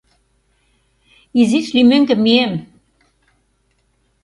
Изиш лиймӧҥгӧ мием...